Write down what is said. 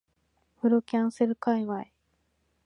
風呂キャンセル界隈